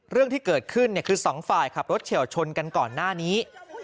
เรื่องที่เกิดขึ้นคือสองฝ่ายขับรถเฉียวชนกันก่อนหน้านี้